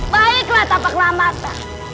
baiklah tanpa kelambatan